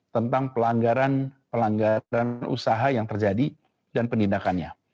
tentang pelanggaran pelanggaran usaha yang terjadi dan penindakannya